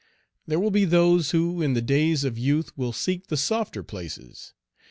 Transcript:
There will be those who in the days of youth will seek the softer places.